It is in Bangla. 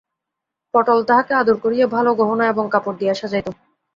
পটল তাহাকে আদর করিয়া ভালো গহনা এবং কপড় দিয়া সাজাইত।